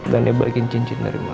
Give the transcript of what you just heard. dan nebakin cincin dari mbak mbak